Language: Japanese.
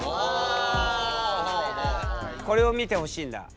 これを見てほしいんだ。